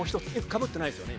かぶってないですよね？